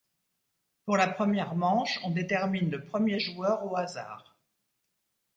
Pour la première manche on détermine le premier joueur au hasard.